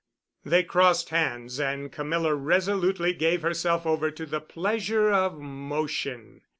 '" They crossed hands, and Camilla resolutely gave herself over to the pleasure of motion.